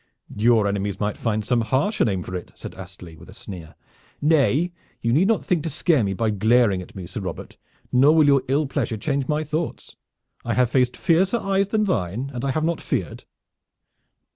"Your enemies might find some harsher name for it," said Astley with a sneer. "Nay, you need not think to scare me by glaring at me, Sir Robert, nor will your ill pleasure change my thoughts. I have faced fiercer eyes than thine, and I have not feared."